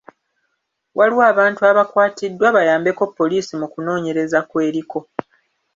Waliwo abantu abakwatiddwa bayambeko poliisi mu kunoonyereza kw’eriko.